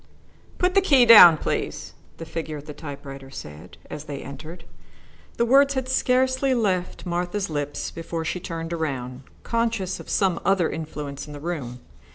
"Put the key down, please," the figure at the typewriter said, as they entered. The words had scarcely left Martha's lips before she turned around, conscious of some other influence in the room.